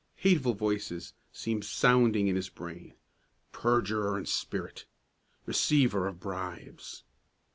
Hateful voices seemed sounding in his brain: "Perjurer in spirit! Receiver of bribes!"